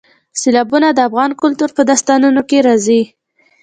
سیلابونه د افغان کلتور په داستانونو کې راځي.